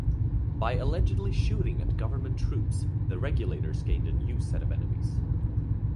By allegedly shooting at government troops, the Regulators gained a new set of enemies.